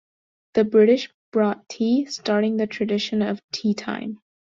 The British brought tea, starting the tradition of teatime.